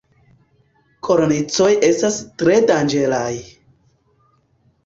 Kornicoj estas tre danĝeraj.